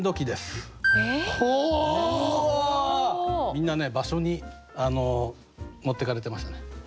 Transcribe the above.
みんなね場所に持ってかれてましたね。